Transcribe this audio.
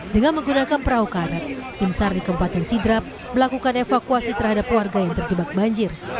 dengan menggunakan perahu karet tim sar di kabupaten sidrap melakukan evakuasi terhadap warga yang terjebak banjir